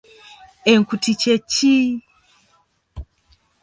Enkuti kye ki?